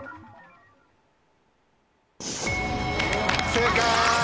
正解！